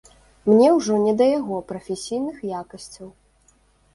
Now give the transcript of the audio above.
Мне ўжо не да яго прафесійных якасцяў.